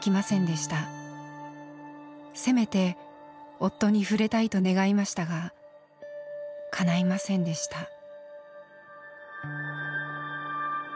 せめて夫に触れたいと願いましたがかないませんでした。